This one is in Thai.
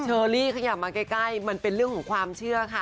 เชอรี่ขยับมาใกล้มันเป็นเรื่องของความเชื่อค่ะ